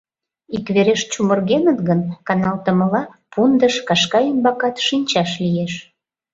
Иквереш чумыргеныт гын, каналтымыла, пундыш, кашка ӱмбакат шинчаш лиеш.